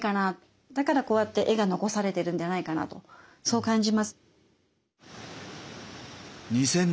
だからこうやって絵が残されてるんではないかなとそう感じます。